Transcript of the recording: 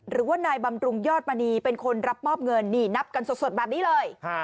หรือว่านายบำรุงยอดมณีเป็นคนรับมอบเงินนี่นับกันสดแบบนี้เลย